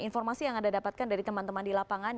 informasi yang anda dapatkan dari teman teman di lapangan